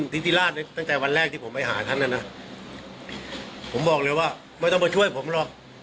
ที่ที่ราชตั้งแต่วันแรกที่ผมไปหาท่านนะนะผมบอกเลยว่าไม่ต้องมาช่วยผมหรอก